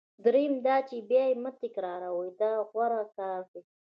دریم دا چې بیا یې مه تکراروئ دا غوره کار دی.